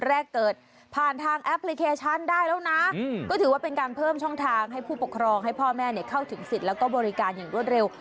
แรกเกิดผ่านทางแอปพลิเคชันได้แล้วนะก็ถือว่าเป็นการเพิ่มช่องทางให้ผู้ปกครองให้พ่อแม่เข้าถึงสิทธิ์แล้วก็บริการอย่างรวดเร็ว